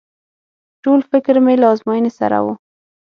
ټول فکر مې له ازموينې سره و.